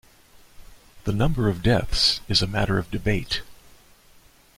The number of deaths is a matter of debate.